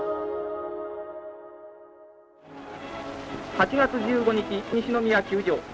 ８月１５日西宮球場。